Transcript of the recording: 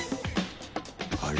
あれ？